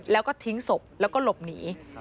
แล้วก็ทิ้งศพแล้วก็หลบหนี